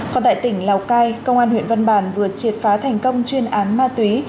còn tại tỉnh lào cai công an huyện văn bàn vừa triệt phá thành công chuyên án ma túy